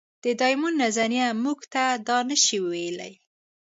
د ډایمونډ نظریه موږ ته دا نه شي ویلی.